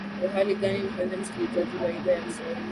uhali gani mpenzi msikilizaji wa idhaa ya kiswahili